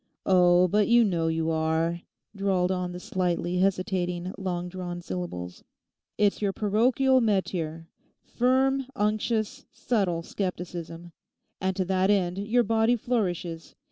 'Oh, but you know you are,' drawled on the slightly hesitating long drawn syllables; 'it's your parochial métier_. Firm, unctuous, subtle, scepticism; and to that end your body flourishes.